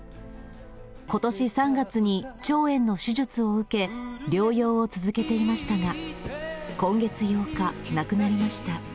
ことし３月に腸炎の手術を受け、療養を続けていましたが、今月８日、亡くなりました。